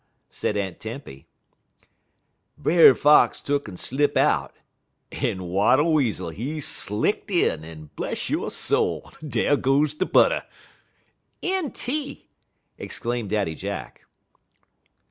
said Aunt Tempy. "Brer Fox tuck'n slip out, en Wattle Weasel he slicked in, en bless yo' soul! dar goes de butter!" "Enty!" exclaimed Daddy Jack.